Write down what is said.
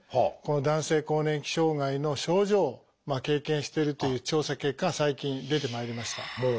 この男性更年期障害の症状を経験してるという調査結果が最近出てまいりました。